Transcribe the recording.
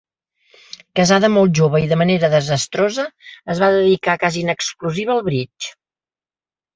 Casada molt jove i de manera desastrosa, es va dedicar quasi en exclusiva al bridge.